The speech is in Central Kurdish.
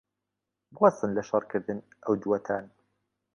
بوەستن لە شەڕکردن، ئەو دووەتان!